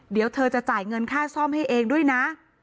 เดี๋ยวเธอจะจ่ายเงินค่าซ่อมให้เองด้วยนะ